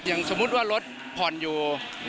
อย่างสมมติว่ารถผ่อนอยู่